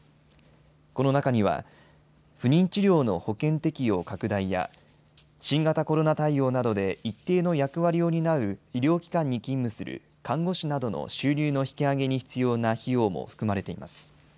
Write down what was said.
この中には、不妊治療の保険適用拡大や新型コロナ対応などで一定の役割を担う医療機関に勤務する看護師などの収入の引き上げに必要な費用も含まれています。